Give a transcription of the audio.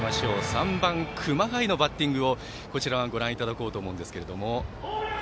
３番、熊谷のバッティングをご覧いただこうと思うんですが。